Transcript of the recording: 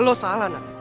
lo salah nat